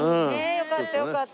よかったよかった。